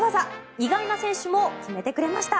意外な選手も決めてくれました。